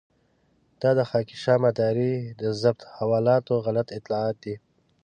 دا د خاکيشاه مداري د ضبط حوالاتو غلط اطلاعات دي.